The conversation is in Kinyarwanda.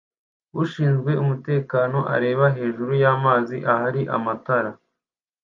Ushinzwe umutekano areba hejuru y'amazi ahari amatara